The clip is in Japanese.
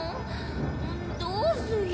どうすゆ？